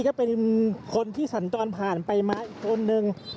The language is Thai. ก็เป็นคนที่สัญจรผ่านไปมาอีกคนนึง